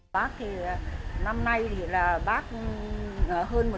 bác thì năm nay thì là bác hơn một trăm linh năm rồi